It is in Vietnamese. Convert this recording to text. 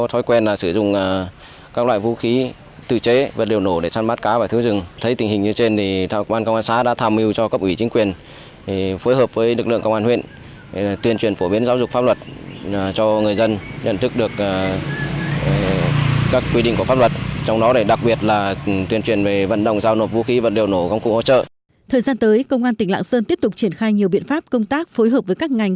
thời gian tới công an tỉnh lạng sơn tiếp tục triển khai nhiều biện pháp công tác phối hợp với các ngành